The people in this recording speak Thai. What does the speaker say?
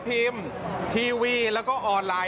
พิมพ์ทีวีแล้วก็ออนไลน